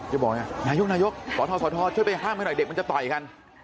จะบอกอย่างนี้นายกสวัสดีช่วยไปข้ามให้หน่อยเด็กมันจะต่อยกัน